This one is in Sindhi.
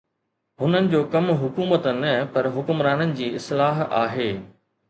هنن جو ڪم حڪومت نه پر حڪمرانن جي اصلاح آهي